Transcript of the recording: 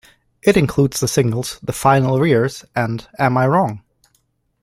It includes the singles "The Final Arrears" and "Am I Wrong".